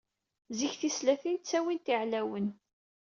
Zik, tislatin ttawint iɛlawen.